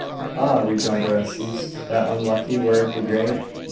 'Ah' rejoined Orestes, 'that unlucky word degrade!